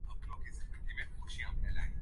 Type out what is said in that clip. اس کی ندامت کم گہری اور مختصر تھِی